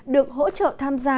được hỗ trợ tham gia